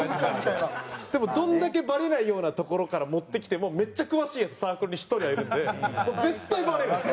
でもどんだけバレないようなところから持ってきてもめっちゃ詳しいヤツサークルに１人はいるんで絶対バレるんですよ。